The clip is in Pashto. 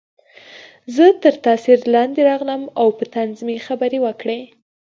زه تر تاثیر لاندې راغلم او په طنز مې خبرې وکړې